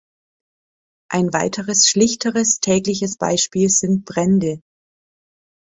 Ein weiteres schlichteres, tägliches Beispiel sind Brände.